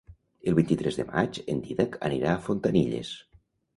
El vint-i-tres de maig en Dídac anirà a Fontanilles.